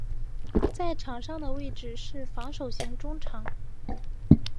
在场上的位置是防守型中场。